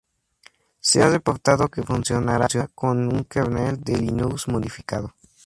Se ha reportado que funcionará con un kernel de Linux modificado.